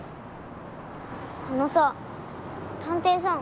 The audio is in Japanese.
あのさ探偵さん。